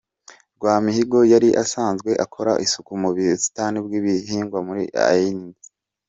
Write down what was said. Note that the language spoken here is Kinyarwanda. Rwamihigo yari asanzwe akora isuku mu busitani bw’ibihingwa muri Ines.